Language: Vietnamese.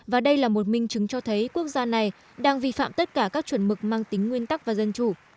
và đây là một minh chứng cho thấy quốc gia này đang vi phạm tất cả các chuẩn mực mang tính nguyên tắc và dân chủ